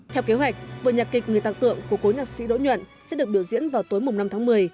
theo kế hoạch vở nhạc kịch người tạc tượng của cố nhạc sĩ đỗ nhuận sẽ được biểu diễn vào tối năm tháng một mươi